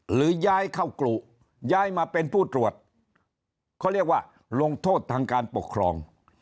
หรือย้ายเข้ากรุย้ายมาเป็นผู้ตรวจเขาเรียกว่าลงโทษทางการปกครอง